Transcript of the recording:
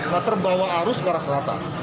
lima terbawa arus ke arah selatan